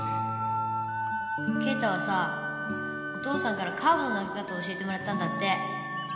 敬太はさお父さんからカーブの投げ方教えてもらったんだって